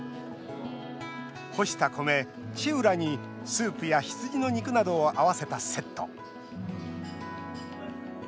干した米、チウラにスープや羊の肉などを合わせたセット。